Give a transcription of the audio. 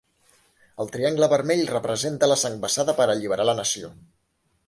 El triangle vermell representa la sang vessada per alliberar a la nació.